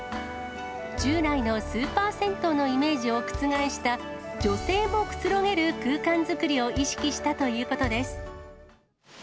従来のスーパー銭湯のイメージを覆した、女性もくつろげる空間作りを意識したということです。